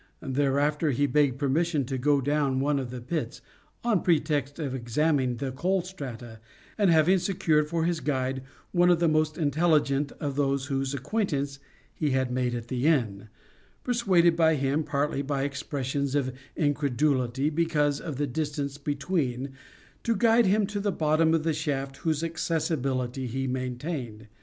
Thereafter he begged permission to go down one of the pits, on pretext of examining the coal strata, and having secured for his guide one of the most intelligent of those whose acquaintance he had made at the inn, persuaded him, partly by expressions of incredulity because of the distance between, to guide him to the bottom of the shaft whose accessibility he maintained.